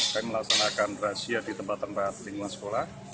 kami melaksanakan razia di tempat tempat lingkungan sekolah